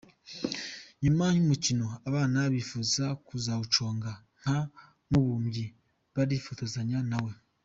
Nyuma y'umukino, abana bifuza kuzawuconga nka Mubumbyi barifotozanya na we.